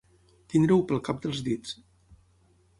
Tenir-ho pel cap dels dits.